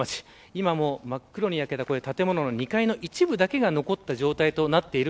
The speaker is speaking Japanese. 今も真っ黒に焼けた建物の２階の一部だけが残った状況です。